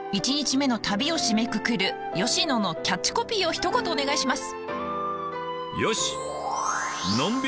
１日目の旅を締めくくる吉野のキャッチコピーをひと言お願いします。